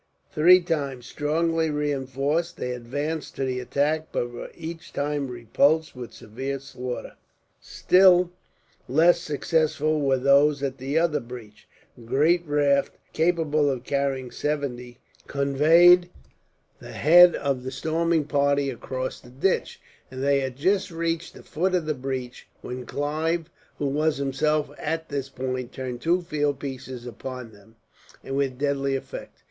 Three times, strongly reinforced, they advanced to the attack; but were each time repulsed, with severe slaughter. Still less successful were those at the other breach. A great raft, capable of carrying seventy, conveyed the head of the storming party across the ditch; and they had just reached the foot of the breach, when Clive, who was himself at this point, turned two field pieces upon them, with deadly effect.